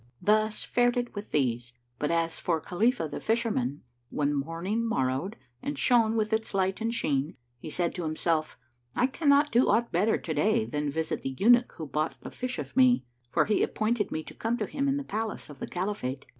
Thus fared it with these; but as for Khalifah the Fisherman, when morning morrowed and shone with its light and sheen, he said to himself, "I cannot do aught better to day than visit the Eunuch who bought the fish of me, for he appointed me to come to him in the Palace of the Caliphate."